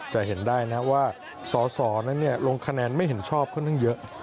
จะเห็นได้ว่าสนั้นลงคะแนนไม่เห็นชอบก็นั่งเยอะ